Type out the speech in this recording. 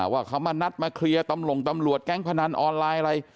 ว่าเขามานัดมาเคลียร์ตำหลงตำรวจแก๊งพนันออนไลน์อะไร